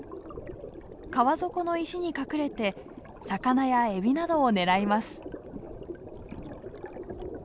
川底の石に隠れて魚やエビなどを狙います。